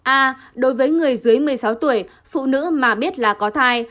a đối với người dưới một mươi sáu tuổi phụ nữ mà biết là có thai